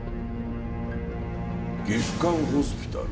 『月刊ホスピタル』？